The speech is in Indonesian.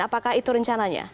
apakah itu rencananya